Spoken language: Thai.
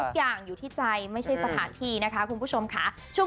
ทุกอย่างอยู่ที่ใจไม่ใช่สถานที่นะคะคุณผู้ชมค่ะ